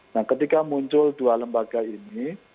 nah ketika muncul dua lembaga ini